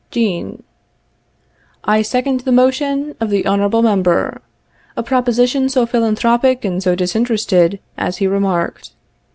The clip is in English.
] Jean. I second the motion of the Honorable member a proposition so philanthropic and so disinterested, as he remarked.